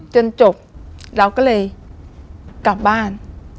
จนจบเราก็เลยกลับบ้าน